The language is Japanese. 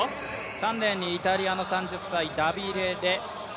３レーンにイタリアの３０歳、ダビデ・レ。